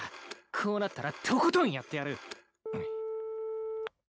こうなったらとことんやってやる。